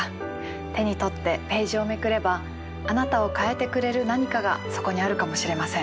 手に取ってページをめくればあなたを変えてくれる何かがそこにあるかもしれません。